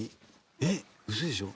えっウソでしょ。